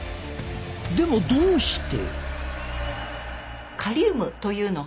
でもどうして？